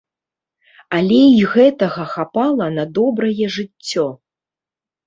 Але і гэтага хапала на добрае жыццё.